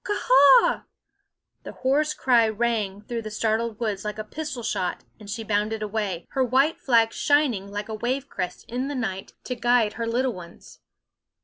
ka a a h!_ the hoarse cry rang through the startled woods like a pistol shot; and she bounded away, her white flag shining like a wave crest in the night to guide her little ones.